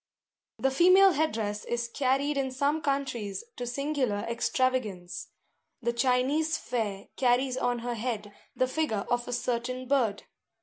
The female head dress is carried in some countries to singular extravagance. The Chinese fair carries on her head the figure of a certain bird.